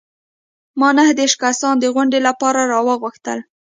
ما نهه دیرش کسان د غونډې لپاره راوغوښتل.